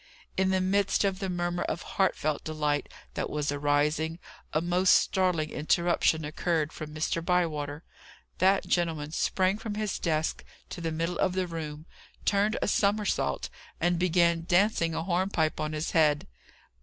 In the midst of the murmur of heartfelt delight that was arising, a most startling interruption occurred from Mr. Bywater. That gentleman sprang from his desk to the middle of the room, turned a somersault, and began dancing a hornpipe on his head.